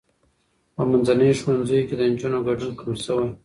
په منځني ښوونځي کې د نجونو ګډون کم شوی.